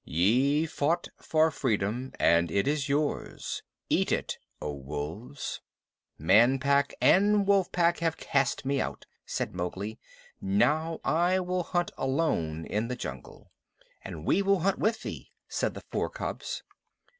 Ye fought for freedom, and it is yours. Eat it, O Wolves." "Man Pack and Wolf Pack have cast me out," said Mowgli. "Now I will hunt alone in the jungle." "And we will hunt with thee," said the four cubs.